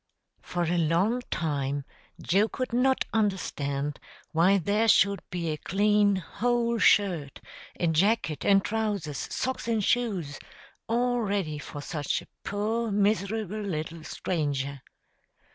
For a long time Joe could not understand why there should be a clean, whole shirt, a jacket and trousers, socks and shoes, all ready for such a poor miserable little stranger.